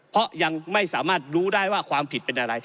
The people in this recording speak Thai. เพราะยังไม่สามารถรู้ได้ว่าความผิดเป็นอะไร